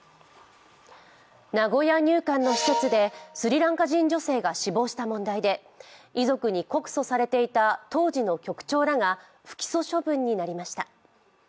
名古屋入管の施設でスリランカ人女性が死亡した問題で、遺族に告訴されていた当時の局長らが不起訴処分になりました。